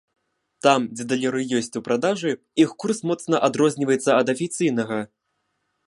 Там, дзе даляры ёсць у продажы, іх курс моцна адрозніваецца ад афіцыйнага.